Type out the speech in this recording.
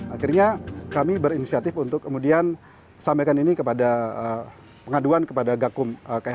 akhirnya kami berinisiatif untuk kemudian sampaikan ini kepada pengaduan kepada gakum km